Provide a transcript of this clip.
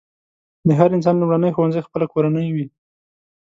د هر انسان لومړنی ښوونځی خپله کورنۍ وي.